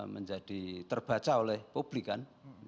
menjadi terbaca oleh publikan